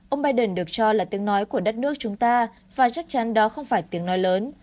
ông biden được cho là tiếng nói của đất nước chúng ta và chắc chắn đó không phải tiếng nói lớn